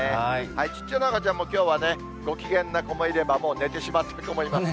ちっちゃな赤ちゃんもきょうはね、ご機嫌な子もいれば、もう寝てしまっている子もいますよ。